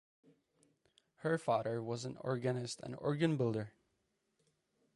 Her father was an organist and organ builder.